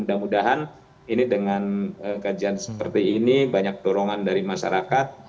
mudah mudahan ini dengan kajian seperti ini banyak dorongan dari masyarakat